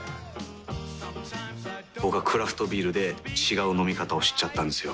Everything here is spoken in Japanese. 僕はクラフトビールで違う飲み方を知っちゃったんですよ。